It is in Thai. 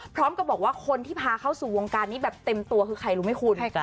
พร้อมกับบอกว่าคนที่พาเข้าสู่วงการนี้แบบเต็มตัวคือใครรู้ไหมคุณ